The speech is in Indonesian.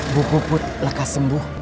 bu puput lekas sembuh